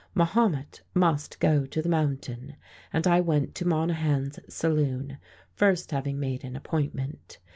Mahomet must go to the mountain, and I went to Monahan's saloon, first having made an appointment.